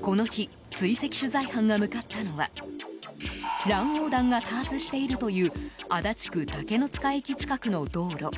この日追跡取材班が向かったのは乱横断が多発しているという足立区竹ノ塚駅近くの道路。